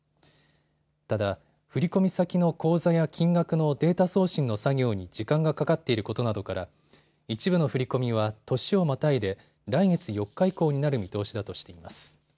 ただ、振り込み先の口座や金額のデータ送信の作業に時間がかかっていることなどから一部の振り込みは年をまたいで来月４日以降になる見通しだとしています。